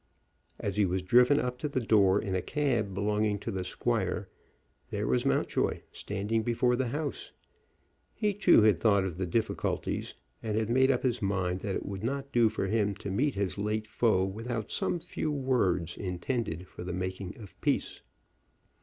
As he was driven up to the door in a cab belonging to the squire there was Mountjoy, standing before the house. He too had thought of the difficulties, and had made up his mind that it would not do for him to meet his late foe without some few words intended for the making of peace.